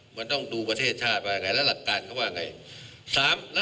มันต้องดูประเทศชาติว่าอย่างไรและหลักการเขาว่าอย่างไร